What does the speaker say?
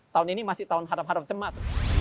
tahun ini masih tahun harap harap cemas